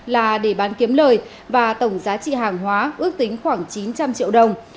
là để bán kiếm lời và tổng giá trị hàng hóa ước tính khoảng chín trăm linh triệu đồng